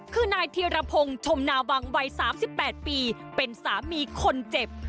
คือนายธีรพงศ์ชมนาวังวัย๓๘ปีเป็นสามีคนเจ็บ